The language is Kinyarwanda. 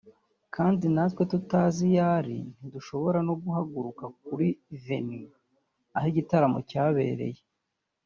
kandi natwe tutazi iyo ari ntidushobora no guhaguruka kuri venue (aho igitaramo cyabereye)